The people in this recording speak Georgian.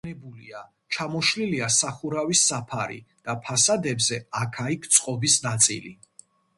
დაზიანებულია: ჩამოშლილია სახურავის საფარი და ფასადებზე აქა-იქ წყობის ნაწილი.